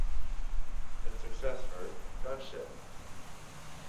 Its successor, Gunship!